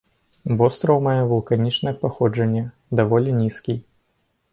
Востраў мае вулканічнае паходжанне, даволі нізкі.